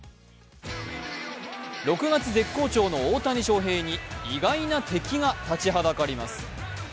６月絶好調の大谷翔平に意外な敵が立ちはだかります。